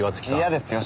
嫌ですよ。